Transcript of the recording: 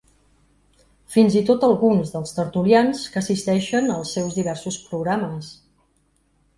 Fins i tot alguns dels tertulians que assisteixen als seus diversos programes.